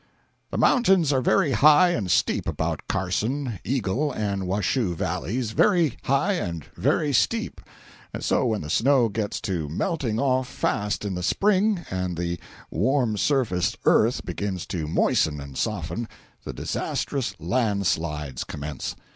The mountains are very high and steep about Carson, Eagle and Washoe Valleys—very high and very steep, and so when the snow gets to melting off fast in the Spring and the warm surface earth begins to moisten and soften, the disastrous land slides commence.